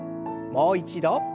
もう一度。